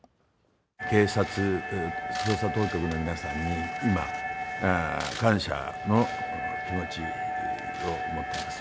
警察捜査当局の皆さんに今、感謝の気持ちを持ってます。